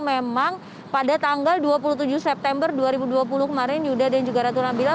memang pada tanggal dua puluh tujuh september dua ribu dua puluh kemarin yuda dan juga ratu nabila